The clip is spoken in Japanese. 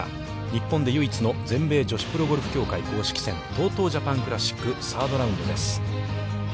日本で唯一の全米女子プロゴルフ協会公式戦、ＴＯＴＯジャパンクラシックサードラウンドです。